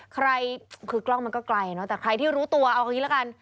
ใครคือกล้องมันก็ไกลเนอะแต่ใครที่รู้ตัวเอาอย่างนี้ละกัน